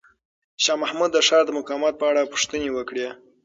شاه محمود د ښار د مقاومت په اړه پوښتنې وکړې.